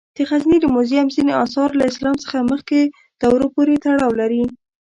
د غزني د موزیم ځینې آثار له اسلام څخه مخکې دورو پورې تړاو لري.